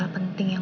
temuin ya papa